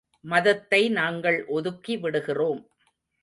மதத்தை நாங்கள் ஒதுக்கி விடுகிறோம்.